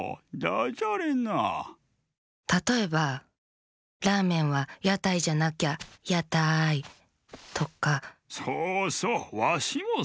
たとえば「ラーメンはやたいじゃなきゃやたい！」とか。そうそうわしもそうおもう。